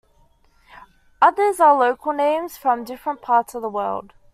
Others are local names from different parts of the world.